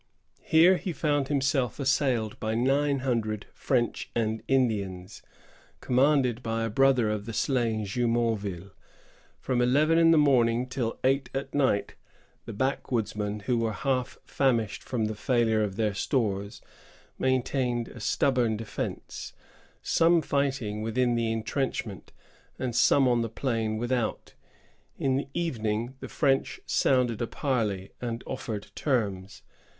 Here he found himself assailed by nine hundred French and Indians, commanded by a brother of the slain Jumonville. From eleven in the morning till eight at night, the backwoodsmen, who were half famished from the failure of their stores, maintained a stubborn defence, some fighting within the intrenchment, and some on the plain without. In the evening, the French sounded a parley, and offered terms.